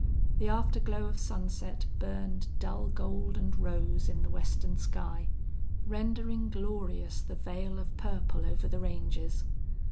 The afterglow of sunset burned dull gold and rose in the western sky, rendering glorious the veil of purple over the ranges.